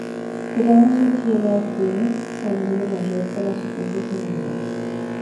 Tron sugiere a Flynn salir de la red para su propia seguridad.